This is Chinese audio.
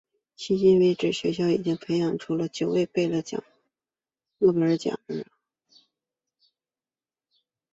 迄今为止学校已经培养出了九位诺贝尔奖得主。